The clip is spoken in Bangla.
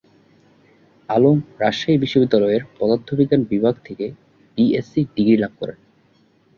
আলম রাজশাহী বিশ্ববিদ্যালয়ের পদার্থবিজ্ঞান বিভাগ থেকে বিএসসি ডিগ্রি লাভ করেন।